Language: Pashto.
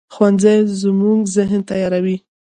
ښوونځی زموږ ذهن تیاروي